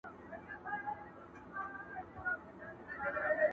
کليوال خلک د پوليسو تر شا ولاړ دي او ګوري،